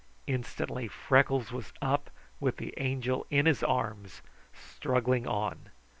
Instantly Freckles was up, with the Angel in his arms, struggling on.